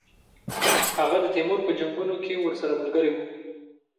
هغه د تیمور په جنګونو کې ورسره ملګری وو.